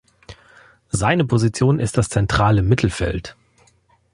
Seine Position ist das zentrale Mittelfeld.